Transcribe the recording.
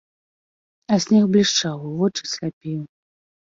А снег блішчаў, вочы сляпіў.